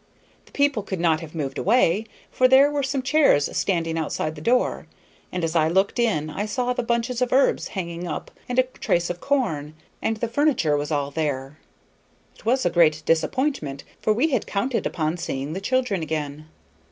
The people could not have moved away, for there were some chairs standing outside the door, and as I looked in I saw the bunches of herbs hanging up, and a trace of corn, and the furniture was all there. It was a great disappointment, for we had counted upon seeing the children again.